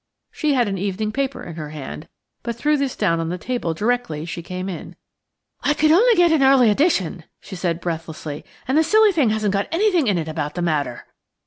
She had an evening paper in her hand, but threw this down on the table directly she came in. "I could only get an early edition," she said breathlessly, "and the silly thing hasn't got anything in it about the matter."